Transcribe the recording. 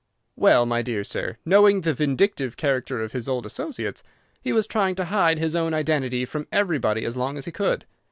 "Well, my dear sir, knowing the vindictive character of his old associates, he was trying to hide his own identity from everybody as long as he could.